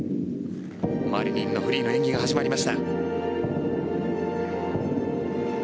マリニンのフリーの演技が始まりました。